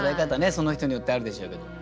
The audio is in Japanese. その人によってあるでしょうけども。